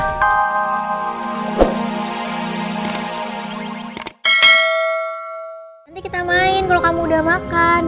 nanti kita main kalau kamu udah makan